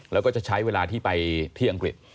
แล้วก็จะใช้เวลาที่ไปที่อังกฤษ